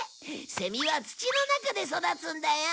セミは土の中で育つんだよ。